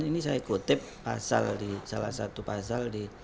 ini saya kutip pasal salah satu pasal